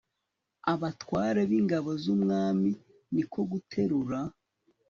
abatware b'ingabo z'umwami ni ko guterura